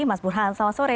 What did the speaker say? mas burhan selamat sore